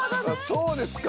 そうですか？